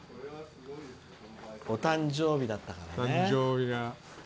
お誕生日だったからね。